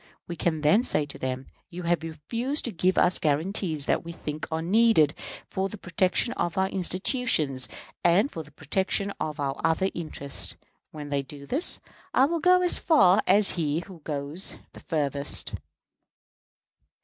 We can then say to them, 'You have refused to give us guarantees that we think are needed for the protection of our institutions and for the protection of our other interests.' When they do this, I will go as far as he who goes the farthest."